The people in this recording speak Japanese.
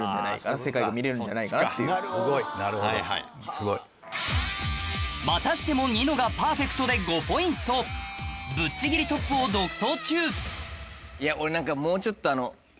すごい。またしてもニノがパーフェクトで５ポイントぶっちぎりトップを独走中俺何か。